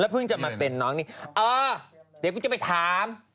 เพิ่งจะมาเป็นน้องนี่เออเดี๋ยวกูจะไปถาม